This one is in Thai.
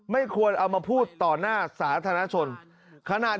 ไม่ควรเอามาพูดต่อหน้าสาธารณชนขนาด